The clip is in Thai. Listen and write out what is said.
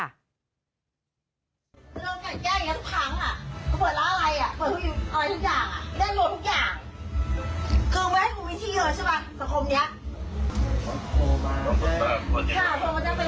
ไม่ได้มันก็ไม่รู้ว่าเป็นผู้ตำรวจด้วยกันหรือเปล่า